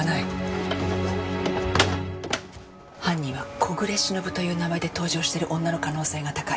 犯人はコグレシノブという名前で搭乗してる女の可能性が高い。